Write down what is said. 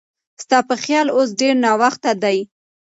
ستا په خیال اوس ډېر ناوخته دی؟